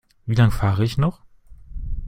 Wie lange fahre ich noch?